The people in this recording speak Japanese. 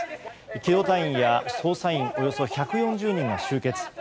機動隊員や捜査員などおよそ１４０人が集結。